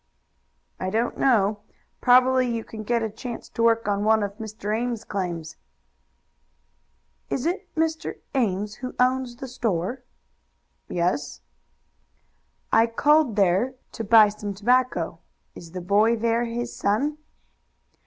"I don't know. Probably you can get a chance to work on one of Mr. Ames's claims." "Is it Mr. Ames who owns the store?" "Yes." "I called there to buy some tobacco. Is the boy there his son?"